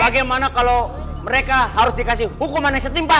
bagaimana kalau mereka harus dikasih hukuman yang setimpal